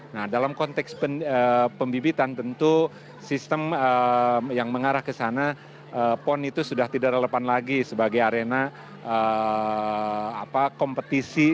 nah dalam konteks pembibitan tentu sistem yang mengarah ke sana pon itu sudah tidak relevan lagi sebagai arena kompetisi